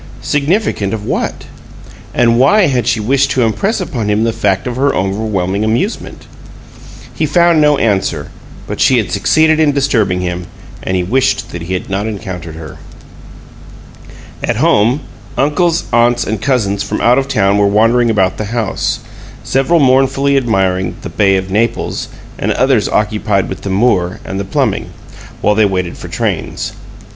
Significant of what? And why had she wished to impress upon him the fact of her overwhelming amusement? He found no answer, but she had succeeded in disturbing him, and he wished that he had not encountered her. At home, uncles, aunts, and cousins from out of town were wandering about the house, several mournfully admiring the "Bay of Naples," and others occupied with the Moor and the plumbing, while they waited for trains.